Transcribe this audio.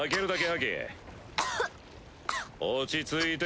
落ち着いて。